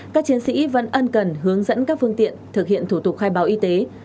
các chiến sĩ vẫn ân cần hướng dẫn các phương tiện thực hiện thủ tục khai báo y tế